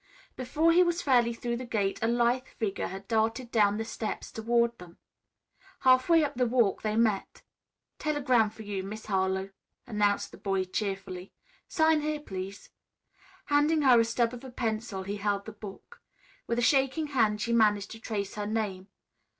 Before he was fairly through the gate a lithe figure had darted down the steps toward him. Halfway up the walk they met. "Telegram for you, Miss Harlowe," announced the boy cheerily. "Sign here, please." Handing her a stub of a pencil, he held the book. With a shaking hand she managed to trace her name.